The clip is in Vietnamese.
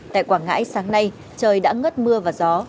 tại quảng ngãi sáng nay trời đã ngất mưa và gió